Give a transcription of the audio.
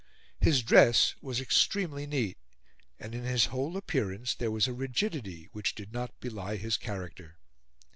His dress was extremely neat, and in his whole appearance there was a rigidity which did not belie his character.